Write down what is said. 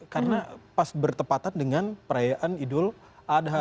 karena pas bertepatan dengan perayaan idul adha